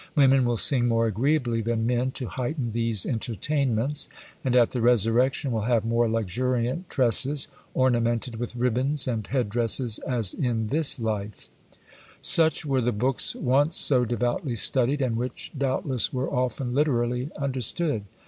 Women will sing more agreeably than men to heighten these entertainments, and at the resurrection will have more luxuriant tresses, ornamented with ribands and head dresses as in this life! Such were the books once so devoutly studied, and which doubtless were often literally understood.